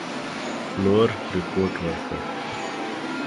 پلور رپوټ ورکړ.